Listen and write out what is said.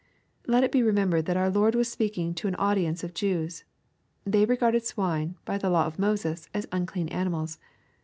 ] Let it be remembered, that our Lord wag speaking to an audience of Jews. They regarded swine, by the law of Moses, as unclean animals.